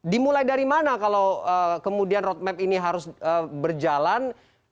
dimulai dari mana kalau kemudian roadmap ini harus berjalan